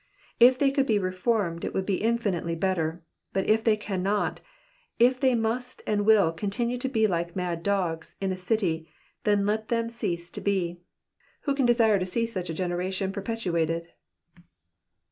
If they could be reformed it would be infinitely better ; but if they cannot, if they must and will continue to be like mad dogs in a city, then let them cease to be. Who can desire to see such a generation perpetuated